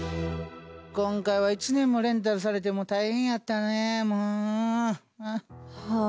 今回は１年もレンタルされてもう大変やったねもう。